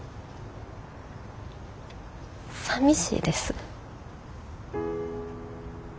さみしいです。